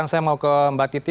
saya mau ke mbak titi